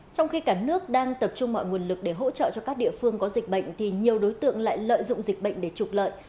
trong khi cả nước đang tập trung mọi nguồn lực để hỗ trợ cho các địa phương có dịch bệnh thì nhiều đối tượng lại lợi dụng dịch bệnh để trục lợi